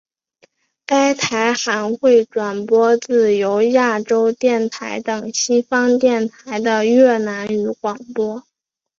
该台还会转播自由亚洲电台等西方电台的越南语广播。